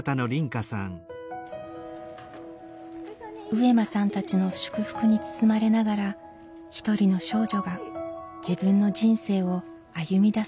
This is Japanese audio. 上間さんたちの祝福に包まれながらひとりの少女が自分の人生を歩みだそうとしています。